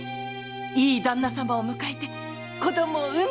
いい旦那様を迎えて子供を産んで。